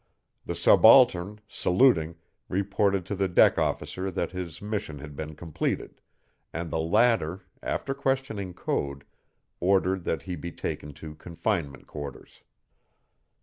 The subaltern, saluting, reported to the deck officer that his mission had been completed, and the latter, after questioning Code, ordered that he be taken to confinement quarters.